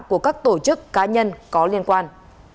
của các tổ chức cá nhân có liên quan